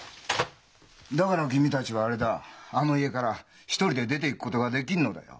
だから君たちはあれだあの家から一人で出ていくことができんのだよ。